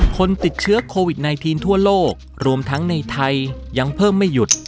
คนติดเชื้อโควิด๑๙ทั่วโลกรวมทั้งในไทยยังเพิ่มไม่หยุด